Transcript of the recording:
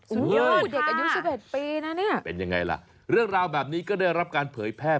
สุดยอดค่ะเป็นอย่างไรล่ะเรื่องราวแบบนี้ก็ได้รับการเผยแพร่